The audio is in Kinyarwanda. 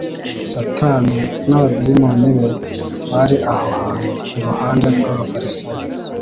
Satani n'abadaimoni be bari aho hantu iruhande rw'abafarisayo